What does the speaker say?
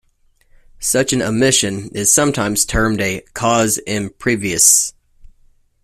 Such an omission is sometimes termed a "casus improvisus".